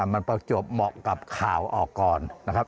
มันประจวบเหมาะกับข่าวออกก่อนนะครับ